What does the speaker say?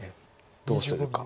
どうするか。